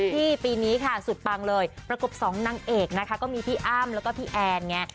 ปีนี้ค่ะสุดปังเลยประกบสองนางเอกนะคะก็มีพี่อ้ำแล้วก็พี่แอนไง